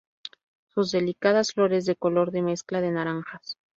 Sus delicadas flores de color de mezcla de naranjas.